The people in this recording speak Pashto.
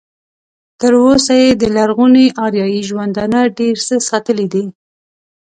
تر اوسه یې د لرغوني اریایي ژوندانه ډېر څه ساتلي دي.